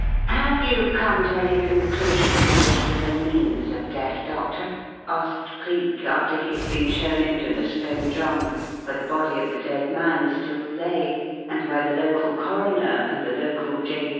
"Have you come to any conclusions as to the means of death, Doctor?" asked Cleek after he had been shown into the Stone Drum, where the body of the dead man still lay and where the local coroner and the local J.